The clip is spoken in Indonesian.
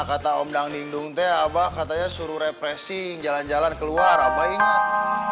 kata om dang dindung teh apa katanya suruh repressing jalan jalan keluar apa ingin